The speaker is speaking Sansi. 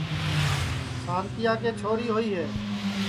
سانتِیا کے چھوری ہوئی ہے